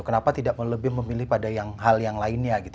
kenapa tidak lebih memilih pada hal yang lainnya gitu